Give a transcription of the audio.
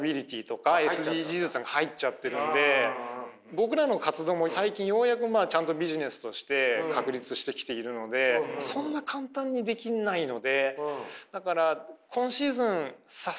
僕らの活動も最近ようやくちゃんとビジネスとして確立してきているのでそんな簡単にできないので。